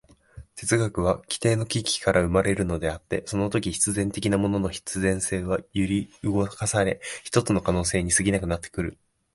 哲学は基底の危機から生まれるのであって、そのとき必然的なものの必然性は揺り動かされ、ひとつの可能性に過ぎなくなってくる。